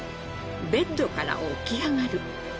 ベッドから起き上がる。